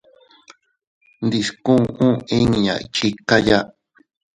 Ndiskuu inña iychikaya.